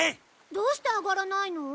どうして上がらないの？